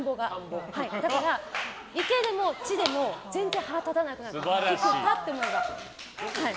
だから、「池」でも「地」でも全然腹立たなくなります。